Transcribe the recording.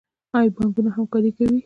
آیا بانکونه همکاري کوي؟